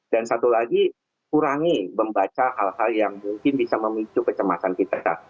dan satu lagi kurangi membaca hal hal yang mungkin bisa memicu kecemasan kita